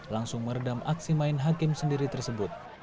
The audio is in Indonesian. langsung meredam aksi main hakim sendiri tersebut